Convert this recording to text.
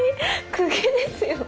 公家ですよね。